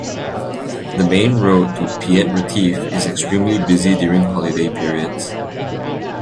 The main road to Piet Retief is extremely busy during holiday periods.